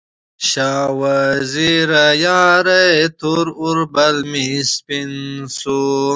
شاه وزیره یاره، تور اوربل مې سپین شو